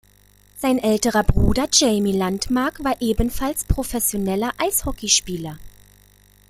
Sein älterer Bruder Jamie Lundmark war ebenfalls professioneller Eishockeyspieler.